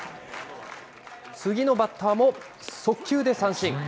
次のバッターも速球で三振。